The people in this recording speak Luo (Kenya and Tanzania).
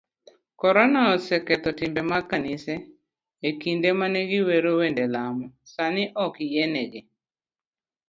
Korona oseketho timbe mag kanise, ekinde mane giwero wende lamo, sani okoyienegi.